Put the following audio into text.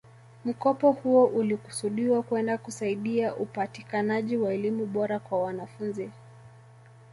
Mkopo huo ulikusudiwa kwenda kusaidia upatikanaji wa elimu bora kwa wanafunzi